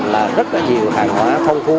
là rất là nhiều hàng hóa thông thú